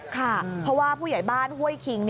ค่ะเพราะว่าผู้ใหญ่บ้านห้วยคิง